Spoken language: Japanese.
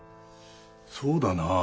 そうだなあ。